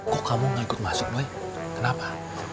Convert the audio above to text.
kenapa kamu tidak ikut masuk kenapa